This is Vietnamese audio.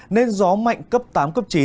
nên gió mạnh cấp tám cấp chín